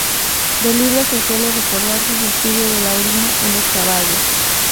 Del libro se suele recordar su estudio de la orina en los caballos.